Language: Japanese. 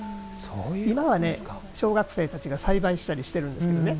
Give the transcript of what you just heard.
今はね、小学生たちが栽培したりしているんですけどね。